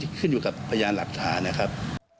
ขึ้นอยู่กับพยานหลักฐานนะครับ